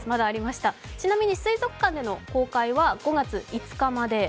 ちなみに水族館での公開は５月５日まで。